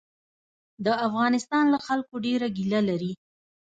د افغانستان له خلکو ډېره ګیله لري.